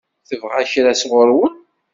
Tebɣa kra sɣur-wen?